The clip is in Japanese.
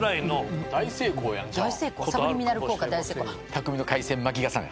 匠の海鮮巻き重ね。